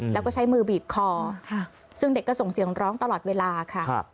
แล้วก็ใช้มือบีบคอซึ่งเด็กก็ส่งเสียงร้องตลอดเวลาค่ะ